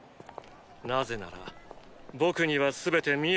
なぜなら僕には全て見えているから。